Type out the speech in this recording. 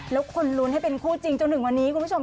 แล้วคนลุ้นให้เป็นคู่จริงจนถึงวันนี้คุณผู้ชม